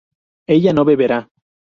ella no beberá